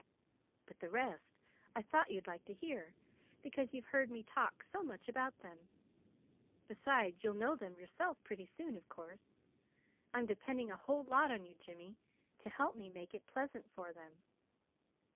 But the rest I thought you'd like to hear, because you've heard me talk so much about them. Besides, you'll know them yourself pretty soon, of course. I'm depending a whole lot on you, Jimmy, to help me make it pleasant for them."